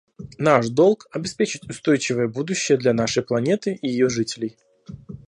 Наш долг — обеспечить устойчивое будущее для нашей планеты и ее жителей.